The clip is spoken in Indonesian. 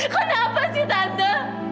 kenapa sih tante